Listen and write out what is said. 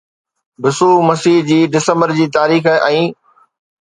يسوع مسيح جي ڊسمبر جي تاريخ ۽